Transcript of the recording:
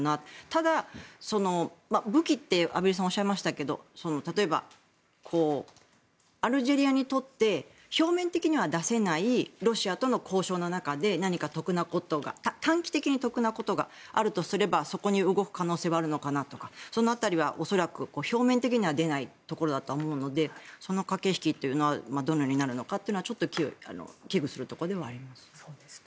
ただ、武器って畔蒜さんはおっしゃいましたけど例えば、アルジェリアにとって表面的には出せないロシアとの交渉の中で何か得なことが短期的に得なことがあるとすればそこに動く可能性はあるのかなとかその辺りは恐らく表面的には出ないところだと思うのでその駆け引きというのはどのようになるのかというのはちょっと危惧するところではあります。